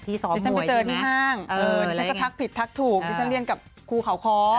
ดิฉันไปเจอที่ห้างฉันก็ทักผิดทักถูกดิฉันเรียนกับครูเขาค้อ